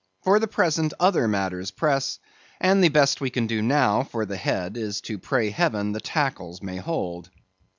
For the present other matters press, and the best we can do now for the head, is to pray heaven the tackles may hold.